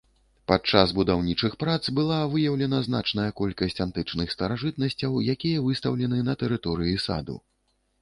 Падчас будаўнічых прац была выяўлена значная колькасць антычных старажытнасцяў, якія выстаўлены на тэрыторыі саду.